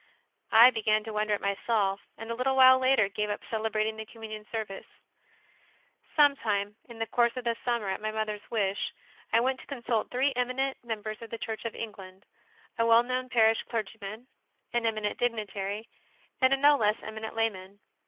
I began to wonder at myself, and a little while later gave up celebrating the Communion service. 3. Sometime in the course of the summer, at my mother s wish, I went to consult three eminent members of the Church of England a well known parish clergyman, an eminent dignitary, and a no less eminent layman.